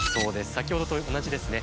先ほどと同じですね。